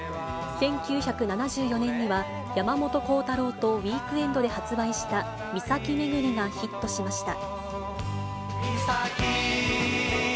１９７４年には、山本コウタローとウィークエンドで発売した岬めぐりがヒットしました。